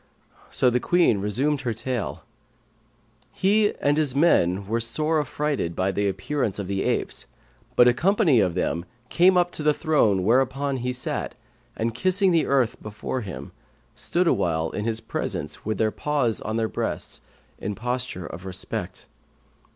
so the Queen resumed her tale: "He and his men were sore affrighted at the appearance of the apes, but a company of them came up to the throne whereon he sat and, kissing the earth before him, stood awhile in his presence with their paws upon their breasts in posture of respect.